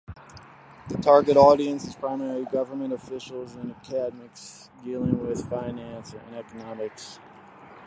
The target audience is primarily government officials and academics dealing with finance and economics.